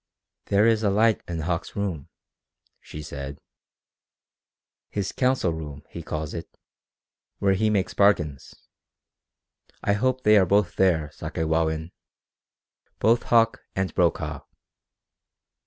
"There is a light in Hauck's room," she said. "His council room, he calls it where he makes bargains. I hope they are both there, Sakewawin both Hauck and Brokaw."